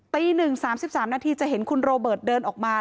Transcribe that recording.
ตี๑๓๓นาทีจะเห็นคุณโรเบิร์ตเดินออกมา